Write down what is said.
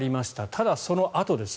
ただ、そのあとです。